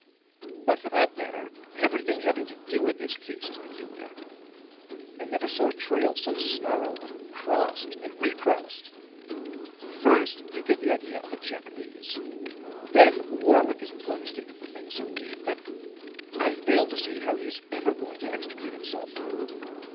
"But, for that matter, everything having to do with this case is peculiar. I never saw a trail so snarled and crossed and recrossed. First you get the idea of a Japanese. Then Warwick is plunged into the thing so deep that I fail to see how he's ever going to extricate himself.